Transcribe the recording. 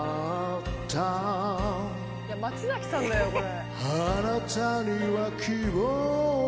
松崎さんだよこれ。